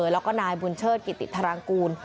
แล้วก็นายบุญเชิดกิติธารางกูล